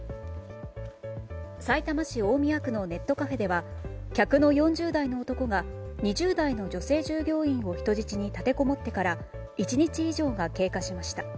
さいたま市大宮区のネットカフェでは客の４０代の男が２０代の女性従業員を人質に立てこもってから１日以上が経過しました。